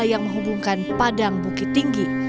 yang menghubungkan padang bukit tinggi